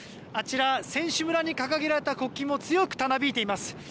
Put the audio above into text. あちら、選手村に掲げられた国旗も強くたなびいています。